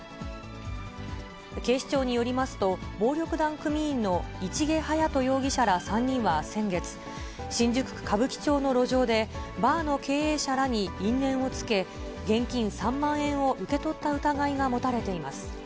警視庁によりますと、暴力団組員の市毛勇人容疑者ら３人は先月、新宿区歌舞伎町の路上でバーの経営者らに因縁をつけ、現金３万円を受け取った疑いが持たれています。